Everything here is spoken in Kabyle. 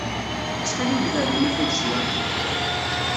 Acḥal ay yebɛed unafag seg-a?